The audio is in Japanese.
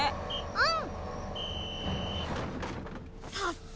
うん！